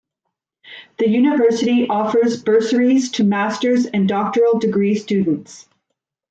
The university offers bursaries to master's and doctoral degree students.